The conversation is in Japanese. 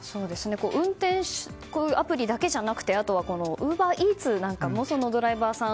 運転手のアプリだけじゃなくてあとはウーバーイーツなんかもドライバーさん